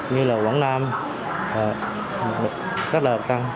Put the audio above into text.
như là quảng nam các là bệnh căng